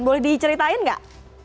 boleh diceritain nggak